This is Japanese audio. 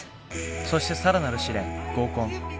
そして更なる試練合コン。